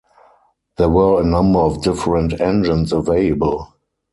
There were a number of different engines available.